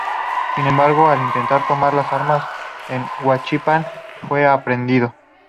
Sin embargo, al intentar tomar las armas en Huichapan fue aprehendido.